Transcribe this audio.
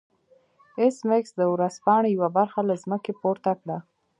ایس میکس د ورځپاڼې یوه برخه له ځمکې پورته کړه